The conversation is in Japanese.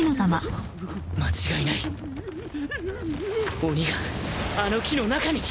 間違いない鬼があの木の中に！